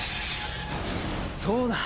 そうだ！